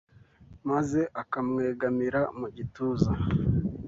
maze akamwegamira mu gituza